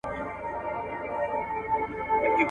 موږ بايد له نويو طريقو کار واخلو.